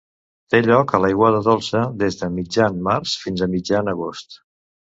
Té lloc a l'aigua dolça des de mitjan març fins a mitjan agost.